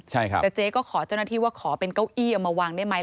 ใช่ครับแต่เจ๊ก็ขอเจ้าหน้าที่ว่าขอเป็นเก้าอี้เอามาวางได้ไหม